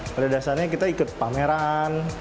pada dasarnya kita ikut pameran